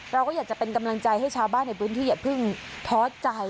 เราก็อยากจะเป็นกำลังใจให้ชาวบ้านในพื้นที่อย่าเพิ่งท้อใจ